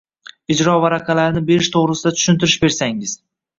ijro varaqalari berish to‘g‘risida tushuntirish bersangiz?